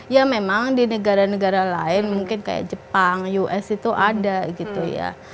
ya memang di negara negara lain mungkin kayak jepang us itu ada gitu ya